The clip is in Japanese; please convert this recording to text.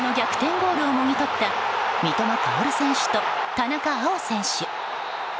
ゴールをもぎとった三笘薫選手と田中碧選手。